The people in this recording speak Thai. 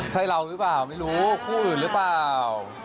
ใช่เราหรือเปล่าไม่รู้คู่อื่นหรือเปล่า